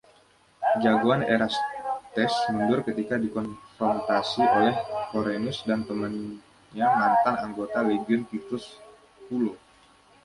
Jagoan Erastes mundur ketika dikonfrontasi oleh Vorenus dan temannya mantan anggota legiun Titus Pullo.